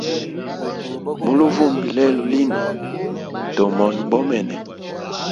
Mu luvumbi lelo lino tomona bomene.